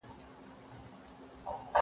کېدای سي درسونه سخت وي.